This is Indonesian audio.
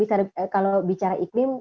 tadi kalau bicara iklim